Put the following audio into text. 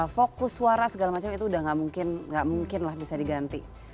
fokus suara segala macam itu udah enggak mungkin enggak mungkin lah bisa diganti